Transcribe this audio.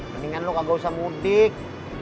mendingan lo gak usah mudik